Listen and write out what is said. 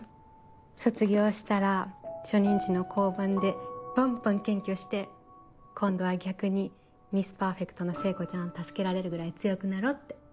卒業したら初任地の交番でバンバン検挙して今度は逆にミス・パーフェクトの聖子ちゃんを助けられるぐらい強くなろうって。